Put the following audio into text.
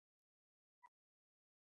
فاریاب د افغانستان یوه طبیعي ځانګړتیا ده.